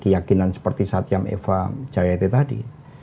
keyakinan seperti satyam eva jayate tadi